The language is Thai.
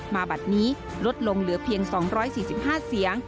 บัตรนี้ลดลงเหลือเพียง๒๔๕เสียง